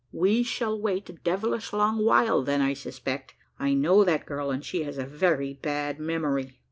"We shall wait a devilish long while, then, I suspect. I know that girl, and she has a very bad memory."